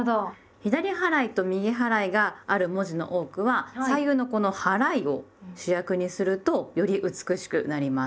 左払いと右払いがある文字の多くは左右のこの「はらい」を主役にするとより美しくなります。